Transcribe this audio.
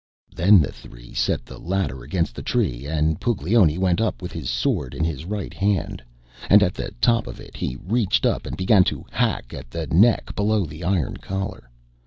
Then the three set the ladder against the tree, and Puglioni went up with his sword in his right hand, and at the top of it he reached up and began to hack at the neck below the iron collar.